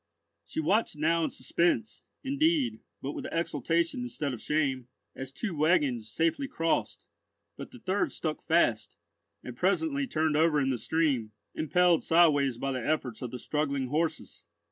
She watched now in suspense, indeed, but with exultation instead of shame, as two waggons safely crossed; but the third stuck fast, and presently turned over in the stream, impelled sideways by the efforts of the struggling horses.